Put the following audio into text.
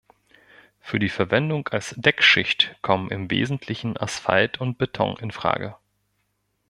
Für die Verwendung als Deckschicht kommen im Wesentlichen Asphalt und Beton in Frage.